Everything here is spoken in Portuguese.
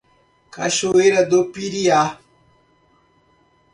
Cachoeira do Piriá